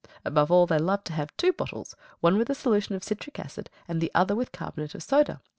Above all, they love to have two bottles, one with a solution of citric acid, and the other with carbonate of soda.